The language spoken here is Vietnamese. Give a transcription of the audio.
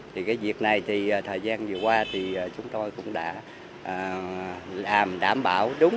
thì cái việc này thì thời gian vừa qua thì chúng tôi cũng đã làm đảm bảo đúng